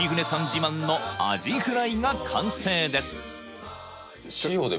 自慢のアジフライが完成ですちょちょ